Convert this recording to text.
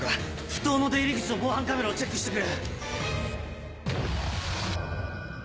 埠頭の出入り口の防犯カメラをチェックしてくれ。